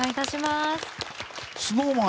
ＳｎｏｗＭａｎ